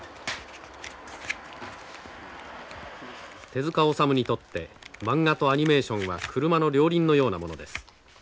手塚治虫にとってマンガとアニメーションは車の両輪のようなものです。